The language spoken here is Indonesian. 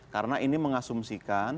karena ini mengasumsikan